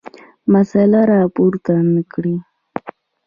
مسله راپورته نه کړه.